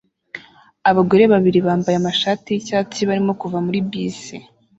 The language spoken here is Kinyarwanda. Abagore babiri bambaye amashati yicyatsi barimo kuva muri bisi